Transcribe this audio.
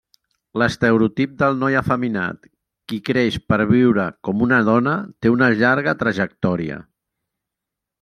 L'estereotip del noi efeminat qui creix per viure com una dona té una llarga trajectòria.